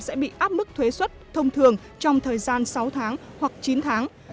sẽ bị áp mức thuế xuất thông thường trong thời gian sáu tháng hoặc chín tháng